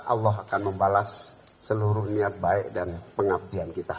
allah akan membalas seluruh niat baik dan pengabdian kita